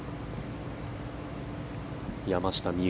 山下美夢